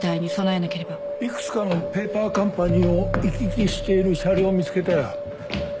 幾つかのペーパーカンパニーを行き来している車両を見つけたよ。